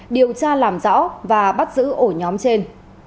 điều tra làm rõ và bắt giữ ổ nhóm trên